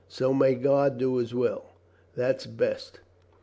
So may God do His will. That's best."